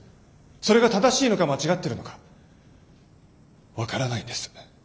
それが正しいのか間違ってるのか分からないんです。